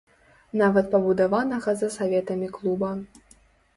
Нават пабудаванага за саветамі клуба.